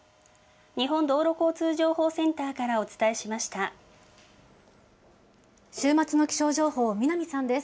日本道路交通情報センターからお週末の気象情報、南さんです。